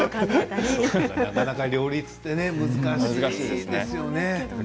なかなか両立って難しいですよね。